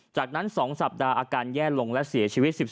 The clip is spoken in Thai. จากนั้น๒สัปดาห์อาการแย่ลงและเสียชีวิต๑๓